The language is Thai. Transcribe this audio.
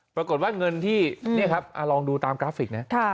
ปรากฏว่าเงินที่นี่ครับลองดูตามกราฟิกนะ